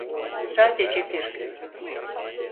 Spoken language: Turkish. Sadece bir gün.